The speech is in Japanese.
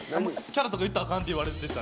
キャラとか言ったらあかんって言われてて。